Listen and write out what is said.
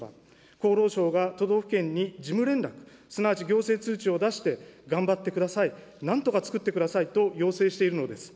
厚労省が都道府県に事務連絡、すなわち行政通知を出して、頑張ってください、なんとかつくってくださいと要請しているのです。